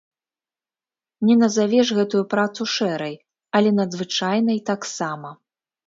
Не назавеш гэтую працу шэрай, але надзвычайнай таксама.